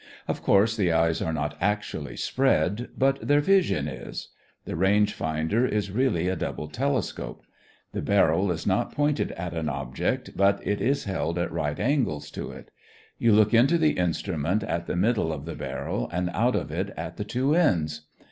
Of course the eyes are not actually spread, but their vision is. The range finder is really a double telescope. The barrel is not pointed at an object, but it is held at right angles to it. You look into the instrument at the middle of the barrel and out of it at the two ends.